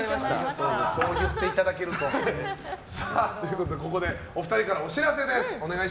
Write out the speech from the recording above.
そう言っていただけると。ということで、ここでお二人からお知らせです。